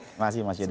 terima kasih mas yuda